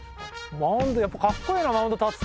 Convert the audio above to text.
マウンドやっぱかっこいいなマウンド立つって。